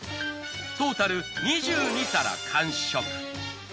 トータル２２皿完食。